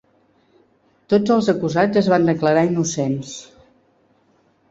Tots els acusats es van declarar innocents.